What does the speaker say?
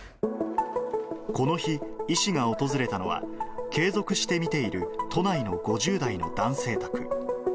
この日、医師が訪れたのは、継続して診ている都内の５０代の男性宅。